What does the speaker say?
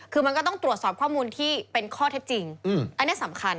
คือมันก็ต้องตรวจสอบข้อมูลที่เป็นข้อเท็จจริงอันนี้สำคัญ